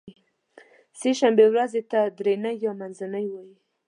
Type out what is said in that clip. سې شنبې ورځې ته درینۍ یا منځنۍ وایی